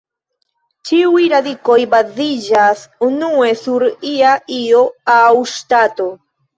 Ĉiuj radikoj baziĝas unue sur ia io aŭ ŝtato.